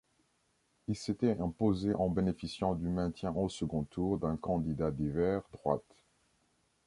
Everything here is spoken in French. Ils s'étaient imposés en bénéficiant du maintien au second tour d'un candidat divers droite.